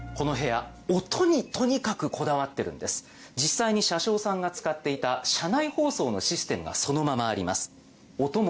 実際に車掌さんが使っていた車内放送のシステムがそのままあります。